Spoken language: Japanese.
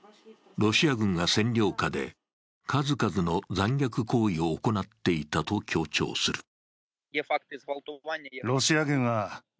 ロシア軍が占領下で数々の残虐行為を行っていたと強調する。